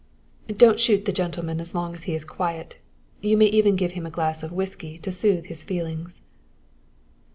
"Don't shoot the gentleman as long as he is quiet. You may even give him a glass of whisky to soothe his feelings."